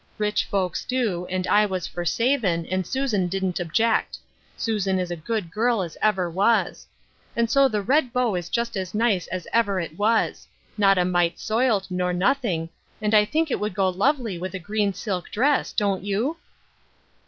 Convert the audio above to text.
Rich folks do, and I was for savin', and Susan didn't object. Susan is a good girl as ever was. And so the red bow is just as nice as ever it was — not a mite soiled nor nothing, and I think it would go lovely with a green silk dress, don't you